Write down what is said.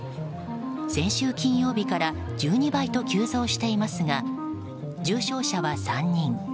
先週金曜日から１２倍と急増していますが重症者は３人。